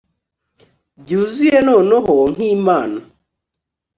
Byuzuye noneho nkimana